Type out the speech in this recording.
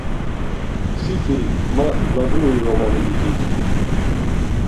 Siti ma Lazuri romani miǩitxi.